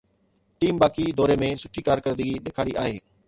Team باقي دوري ۾ سٺي ڪارڪردگي ڏيکاري آهي.